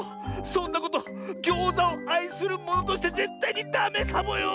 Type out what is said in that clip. そんなことギョーザをあいするものとしてぜったいにダメサボよ！